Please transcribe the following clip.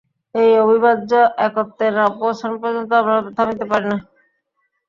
এই অবিভাজ্য একত্বে না পৌঁছান পর্যন্ত আমরা থামিতে পারি না।